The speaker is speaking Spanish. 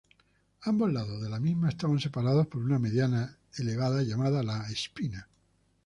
Ambos lados de la misma estaban separados por una mediana elevada, llamada la "spina".